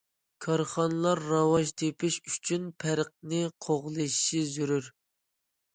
كارخانىلار راۋاج تېپىش ئۈچۈن پەرقنى قوغلىشىشى زۆرۈر.